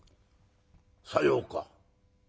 「さようか。